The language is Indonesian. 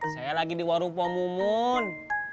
saya lagi di warung poham umun